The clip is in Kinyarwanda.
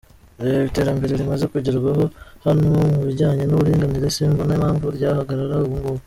Reba iterambere rimaze kugerwaho hano mu bijyanye n’uburinganire, simbona impamvu ryahagarara ubungubu.